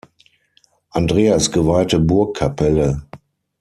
Andreas geweihte Burgkapelle.